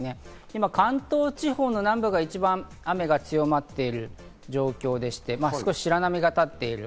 今、関東地方の南部が一番雨が強まっている状況でして、少し白波が立っている。